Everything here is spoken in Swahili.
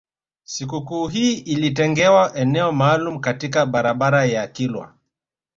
Sikukuu hii ilitengewa eneo maalum katika barabara ya kilwa